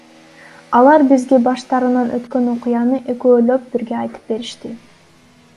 Алар бизге баштарынан өткөн окуяны экөөлөп бирге айтып беришти.